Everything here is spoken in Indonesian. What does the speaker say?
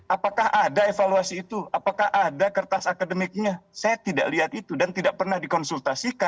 apakah ada evaluasi itu apakah ada kertas akademiknya saya tidak lihat itu dan tidak pernah dikonsultasikan